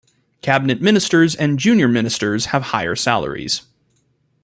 Cabinet ministers and junior ministers have higher salaries.